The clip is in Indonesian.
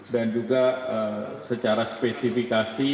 dan juga secara spesifikasi